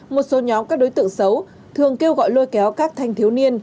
một số nhóm các đối tượng xấu thường kêu gọi lôi kéo các thanh thiếu niên